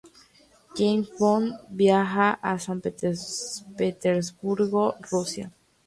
James Bond viaja a San Petersburgo, Rusia.